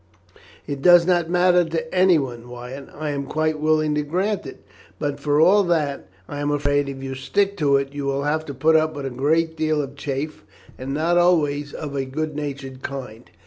"It does not matter to anyone, Wyatt. I am quite willing to grant it, but for all that, I am afraid, if you stick to it, you will have to put up with a great deal of chaff, and not always of a good natured kind."